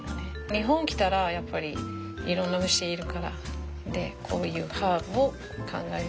日本来たらやっぱりいろんな虫いるからこういうハーブを考えて一緒に混ぜる。